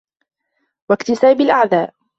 وَاكْتِسَابِ الْأَعْدَاءِ